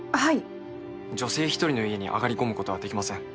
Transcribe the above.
女性一人の家に上がり込むことはできません。